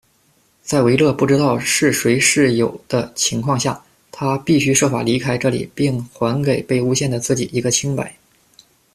在维勒不知道是谁是友的情况下，他必须设法离开这里并还给被诬陷的自己一个清白。